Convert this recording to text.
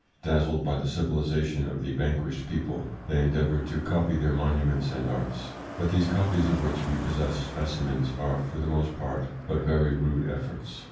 Dazzled by the civilisation of the vanquished people, they endeavoured to copy their monuments and arts ; but these copies, of which we possess specimens, are for the most part but very rude efforts.